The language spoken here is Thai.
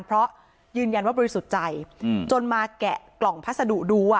เพราะยืนยันว่าบริสุทธิ์ใจจนมาแกะกล่องพัสดุดูอ่ะ